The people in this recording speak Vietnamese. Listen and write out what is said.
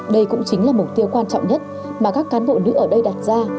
đây cũng chính là mục tiêu quan trọng nhất mà các cán bộ nữ ở đây đặt ra